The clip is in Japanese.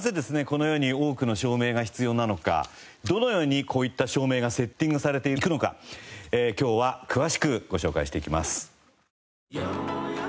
このように多くの照明が必要なのかどのようにこういった照明がセッティングされていくのか今日は詳しくご紹介していきます。